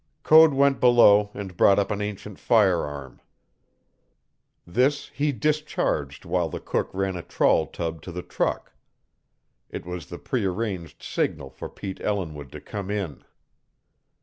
Code went below and brought up an ancient firearm. This he discharged while the cook ran a trawl tub to the truck. It was the prearranged signal for Pete Ellinwood to come in.